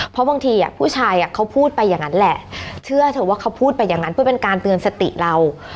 เพราะบางทีผู้ชายเขาพูดไปอย่างนั้นแหละเชื่อเถอะว่าเขาพูดไปอย่างนั้นเพื่อเป็นการเตือนสติเรา